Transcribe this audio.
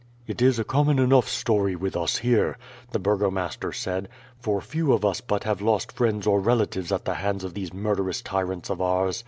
"It is a common enough story with us here," the burgomaster said, "for few of us but have lost friends or relatives at the hands of these murderous tyrants of ours.